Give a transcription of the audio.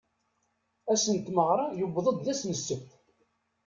Ass n tmeɣra yewweḍ-d, d ass n ssebt.